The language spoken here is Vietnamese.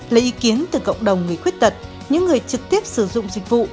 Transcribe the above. lấy ý kiến từ cộng đồng người khuyết tật những người trực tiếp sử dụng dịch vụ